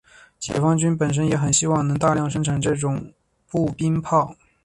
解放军本身也很希望能大量生产这种步兵炮。